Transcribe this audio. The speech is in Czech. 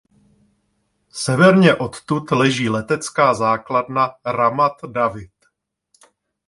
Severně odtud leží letecká základna Ramat David.